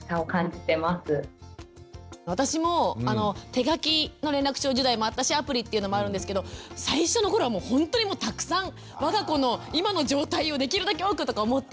私も手書きの連絡帳時代もあったしアプリっていうのもあるんですけど最初の頃はもうほんとにたくさん我が子の今の状態をできるだけ多くとか思ってやってて。